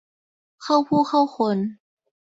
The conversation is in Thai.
เข้าผู้เข้าคน